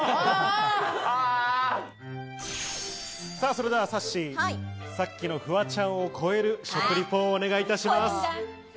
それでは、さっしー、さっきのフワちゃんを超える食リポをお願いいたします。